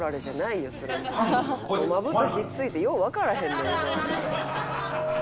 「まぶた引っ付いてようわからへんねん」